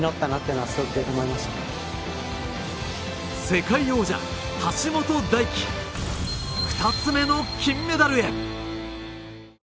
世界王者・橋本大輝２つ目の金メダルへ！